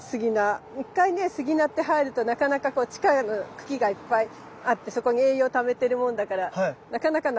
一回ねスギナって生えるとなかなかこう地下の茎がいっぱいあってそこに栄養ためてるもんだからなかなかなくならないのよね。